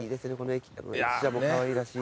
駅舎もかわいらしい。